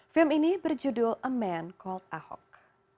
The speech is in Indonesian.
film ini berjudul a man call ahok